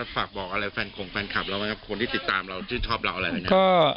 เป็นไงที่จัดการ